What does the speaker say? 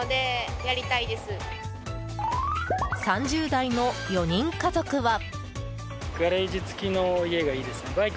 ３０代の４人家族は。